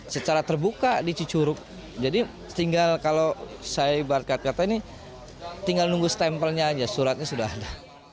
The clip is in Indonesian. secara terbuka di cicuruk jadi tinggal kalau saya berkat kata ini tinggal nunggu stempelnya aja suratnya sudah ada